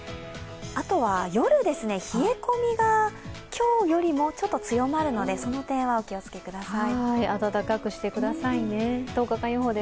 あとは夜、冷え込みが今日よりもちょっと強まるでその点はお気をつけください。